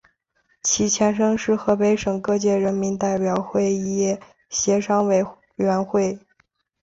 其前身是河北省各界人民代表会议协商委员会。